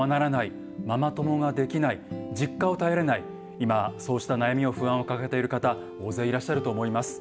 今そうした悩みや不安を抱えている方大勢いらっしゃると思います。